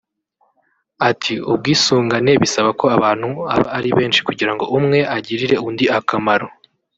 Ati” ubwisungane bisaba ko abantu aba ari benshi kugira ngo umwe agirire undi akamaro